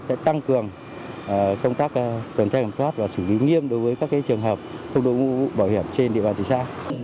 sẽ tăng cường công tác tuần trai cảnh thoát và xử lý nghiêm đối với các trường hợp không đổi mũ bảo hiểm trên địa bàn thị xã